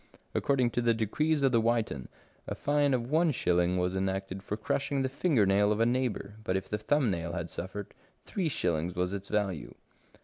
According to the decrees of the Witan, a fine of one shilling was enacted for crushing the finger nail of a neighbour, but if the thumb nail had suffered, three shillings was its value.